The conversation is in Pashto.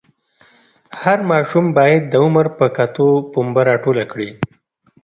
هر ماشوم باید د عمر په کتو پنبه راټوله کړي.